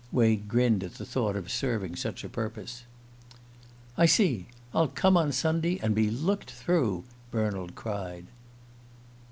Wade grinned at the thought of serving such a purpose. "I see. I'll come on Sunday and be looked through!" Bernald cried.